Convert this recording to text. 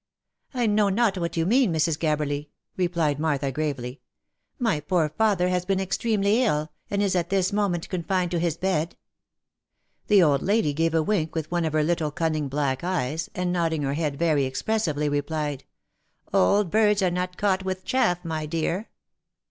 "I know not what you mean, Mrs. Gabberly," replied Martha gravely. " My poor father has been extremely ill, and is at this moment confined to his bed." The old lady gave a wink with one of her little cunning black eyes, and nodding her head very expressively, replied, " Old birds are not caught with chaff, my dear."